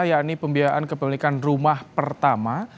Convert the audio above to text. yakni pembiayaan kepemilikan rumah pertama